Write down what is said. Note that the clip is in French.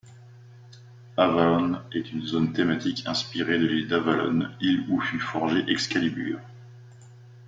Avalon est une zone thématique inspirée de l'île d'Avalon, île où fût forgée Excalibur.